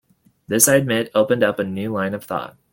This, I admit, opened up a new line of thought.